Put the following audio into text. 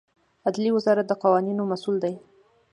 عدلیې وزارت د قوانینو مسوول دی